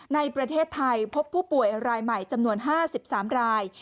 ในประเทศไทยพบผู้ป่วยรายใหม่จำนวน๕๓ราย